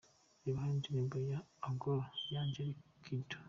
Reba hano indirimbo Agolo ya Angelique Kidjo.